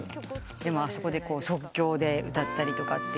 でもあそこで即興で歌ったりとか。